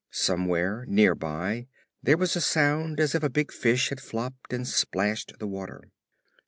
Somewhere, near by, there was a sound as if a big fish had flopped and splashed the water.